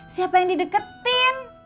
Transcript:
siapa yang di deketin